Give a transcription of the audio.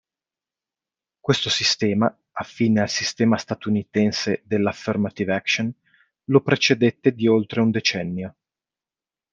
Questo sistema, affine al sistema statunitense dell"'affirmative action", lo precedette di oltre un decennio.